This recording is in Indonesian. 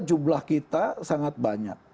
jumlah kita sangat banyak